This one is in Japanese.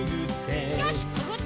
よしくぐって！